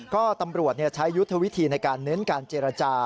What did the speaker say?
ก็ตำรวจใช้ยุทธวิธีในการเน้นการเจรจา